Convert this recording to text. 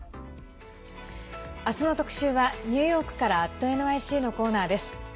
明日の特集はニューヨークから「＠ｎｙｃ」のコーナー。